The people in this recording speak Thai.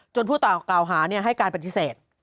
จนผู้ต่อก่าวหาให้การปฏิเสธ